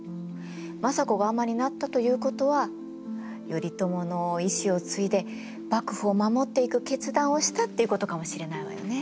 政子が尼になったということは頼朝の遺志を継いで幕府を守っていく決断をしたっていうことかもしれないわよね。